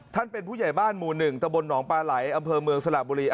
เป็นผู้ใหญ่บ้านหมู่๑ตะบลหนองปลาไหลอำเภอเมืองสระบุรี